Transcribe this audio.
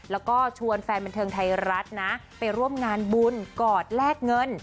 แล้วก็ชวนแฟนบันเทิงไทยรัฐนะไปร่วมงานบุญกอดแลกเงิน